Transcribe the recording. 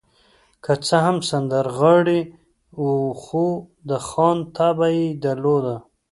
که څه هم سندرغاړی و، خو د خان طبع يې درلوده.